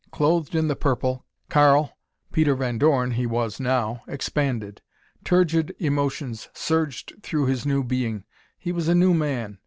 Clothed in the purple, Karl Peter Van Dorn, he was, now expanded. Turgid emotions surged through his new being. He was a new man.